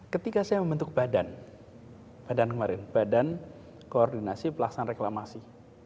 ketika saya membentuk badan badan kemarin badan koordinasi pelaksanaan reklamasi